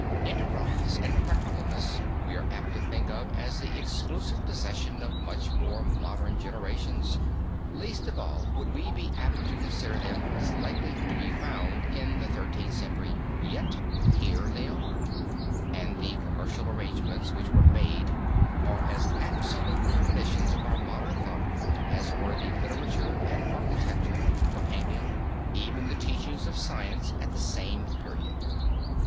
Enterprise and practicalness we are apt to think of as the exclusive possession of much more modern generations. Least of all would we be apt to consider them as likely to be found in the Thirteenth Century, yet here they are, and the commercial arrangements which were made are as absolute premonitions of our modern thought as were the literature and architecture, the painting, even the teachings of science at the same period.